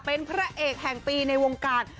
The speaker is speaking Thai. เป็นพระเอกแห่งปีในวงการ